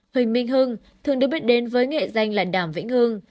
huỳnh minh hương thường được biết đến với nghệ danh là đàm vĩnh hương